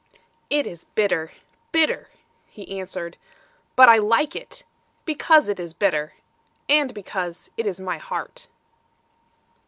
"It is bitter bitter," he answered; "But I like it Because it is bitter, And because it is my heart."